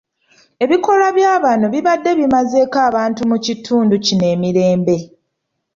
Ebikolwa bya bano bibadde bimazeeko abantu mu kitundu kino emirembe.